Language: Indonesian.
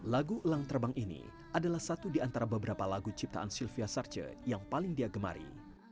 lagu elang terbang ini adalah satu di antara beberapa lagu ciptaan sylvia sarce yang paling dia gemari